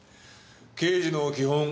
刑事の基本